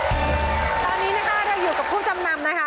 ตอนนี้นะคะเธออยู่กับผู้จำนำนะคะ